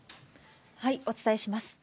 お伝えします。